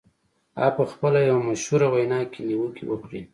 هغه په خپله یوه مشهوره وینا کې نیوکې وکړې